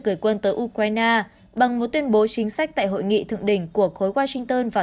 gửi quân tới ukraine bằng một tuyên bố chính sách tại hội nghị thượng đỉnh của khối washington vào